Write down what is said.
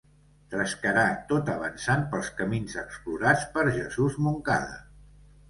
Trescarà tot avançant pels camins explorats per Jesús Moncada.